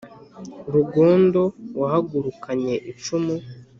rugondo wahagurukanye icumu